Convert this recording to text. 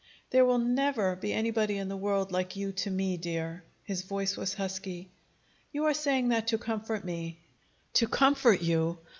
"There will never be anybody in the world like you to me, dear." His voice was husky. "You are saying that to comfort me." "To comfort you!